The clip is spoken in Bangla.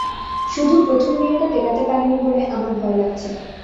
শুধু প্রথম বিয়েটা টেকাতে পারিনি বলে আমার ভয় লাগছে।